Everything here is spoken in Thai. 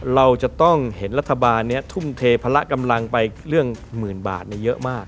เราจะต้องเห็นรัฐบาลนี้ทุ่มเทพละกำลังไปเรื่องหมื่นบาทเยอะมาก